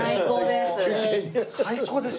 最高です。